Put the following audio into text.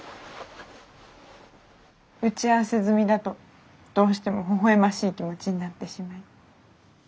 打ち合わせ済みだとどうしてもほほ笑ましい気持ちになってしまい。